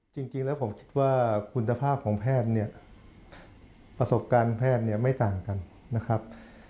จริงแล้วผมคิดว่าคุณภาพของแพทย์เนี่ยประสบการณ์แพทย์เนี่ยไม่ต่างกันนะครับ